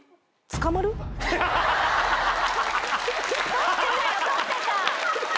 取ってたよ取ってた。